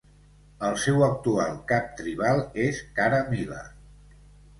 El seu actual cap tribal és Kara Miller.